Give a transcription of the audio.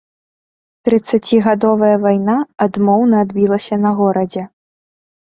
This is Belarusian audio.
Трыццацігадовая вайна адмоўна адбілася на горадзе.